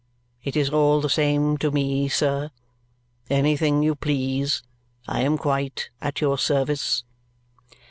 It is all the same to me, sir. Anything you please. I am quite at your service."